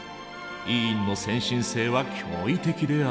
伊尹の先進性は驚異的である。